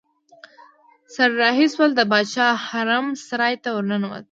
سره رهي شول د باچا حرم سرای ته ورننوتل.